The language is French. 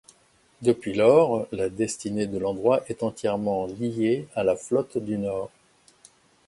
Depuis lors, la destinée de l'endroit est entièrement liée à la Flotte du Nord.